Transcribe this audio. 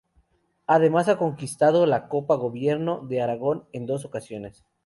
Además ha conquistado la Copa Gobierno de Aragón en dos ocasiones.